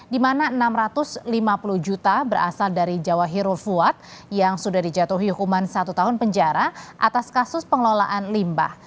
di mana enam ratus lima puluh juta berasal dari jawa hero fuad yang sudah dijatuhi hukuman satu tahun penjara atas kasus pengelolaan limbah